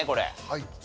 はい。